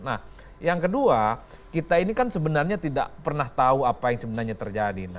nah yang kedua kita ini kan sebenarnya tidak pernah tahu apa yang sebenarnya terjadi